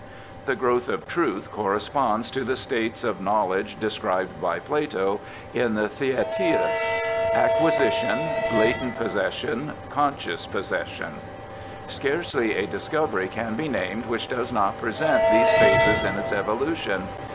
The growth of Truth corresponds to the states of knowledge described by Plato in the Theaefehis— acquisi tion, latent possession, conscious possession. Scarcely a discovery can be named which does not present these phases in its evolution.